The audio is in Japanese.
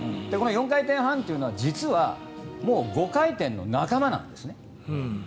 この４回転半というのは実は５回転の仲間なんです。